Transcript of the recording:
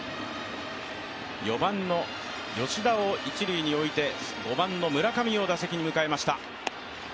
４番の吉田を一塁に置いて５番の村上を打席に迎えました。